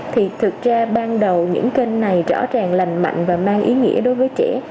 thì thực ra ban đầu những kênh này rõ ràng lành mạnh và mang ý nghĩa đối với trẻ